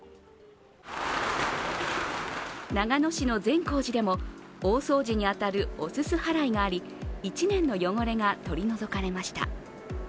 長野市の善光寺でも大掃除に当たるお煤払いがあり１年の汚れが取り除かれました。